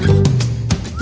wisata petung sewu